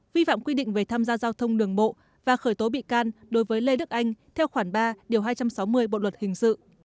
vi phạm quy định về tham gia giao thông đường bộ và khởi tố bị can đối với lê đức anh theo khoản ba điều hai trăm sáu mươi bộ luật hình sự